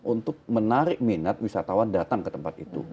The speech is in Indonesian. untuk menarik minat wisatawan datang ke tempat itu